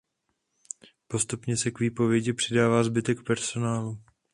Postupně se k výpovědi přidává zbytek personálu.